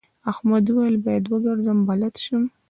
احمد وويل: باید وګرځم بلد شم.